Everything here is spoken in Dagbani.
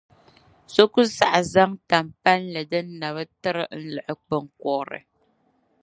So ku saɣi zaŋ tan’ palli din na bi tiri n-liɣi binyɛr’ kurili.